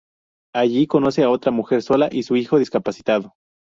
Allí conoce a otra mujer sola y su hijo discapacitado.